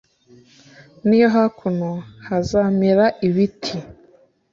n iyo hakuno hazamera ibiti